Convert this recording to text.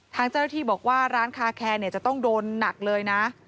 ทางเจ้าหน้าที่บอกว่าร้านคาแคร์จะต้องโดนหนักเลยนะ